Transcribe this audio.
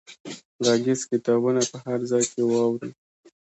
غږیز کتابونه په هر ځای کې واورو.